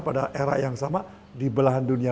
pada era yang sama di belahan dunia